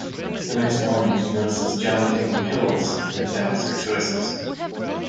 The next morning, she notices Johnny taking pills and doubts her choices.